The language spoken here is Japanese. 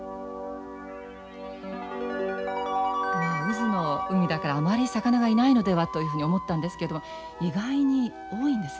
渦の海だからあまり魚がいないのではというふうに思ったんですけれども意外に多いんですね。